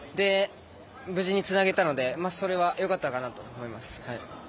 無事につなげたのでそれは良かったかなと思います。